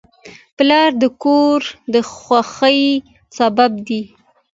پلار د کور د خوښۍ سبب دی.